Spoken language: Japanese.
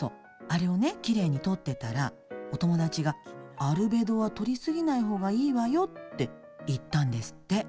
あれをきれいに取ってたらお友達が「アルベド」は取りすぎないほうがいいわよって言ったんですって。